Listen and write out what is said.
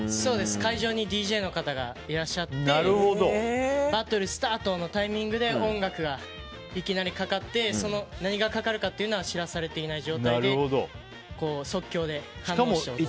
会場にＤＪの方がいらっしゃってスタートのタイミングで音楽がいきなりかかって何がかかるかは知らされていない状態で即興でやります。